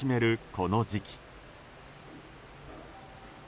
この時期。